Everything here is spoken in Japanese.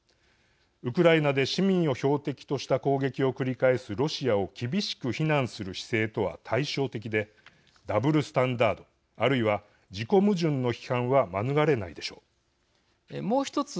ウクライナで市民を標的とした攻撃を繰り返すロシアを厳しく非難する姿勢とは対照的でダブルスタンダード、あるいは自己矛盾の批判はもう１つ